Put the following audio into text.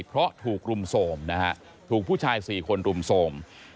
เพราะถูกรุมโทรมนะฮะถูกผู้ชาย๔คนรุมโทรม